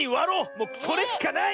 もうそれしかない！